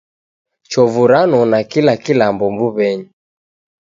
Chovu ranona kila kilambo mbuw'enyi.